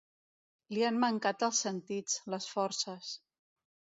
Li han mancat els sentits, les forces.